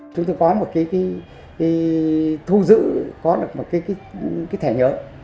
chúng tôi có một cái thu giữ có được một cái thẻ nhớ